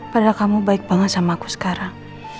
padahal kamu baik banget sama aku sekarang